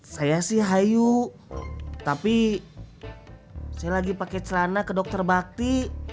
saya sih hayu tapi saya lagi pakai celana ke dokter bakti